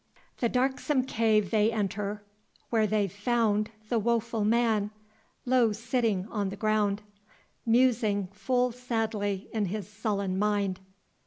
The darksome cave they enter, where they found The woful man, low sitting on the ground, Musing full sadly in his sullen mind.